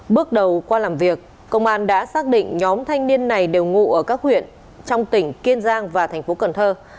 bước đầu qua làm việc công an đã xác định nhóm thanh niên này đều ngụ ở các huyện trong tỉnh kiên giang và thành phố cần thơ